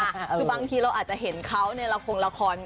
คือบางทีเราอาจจะเห็นเขาในละครละคร